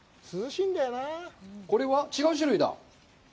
これは違う種類だ？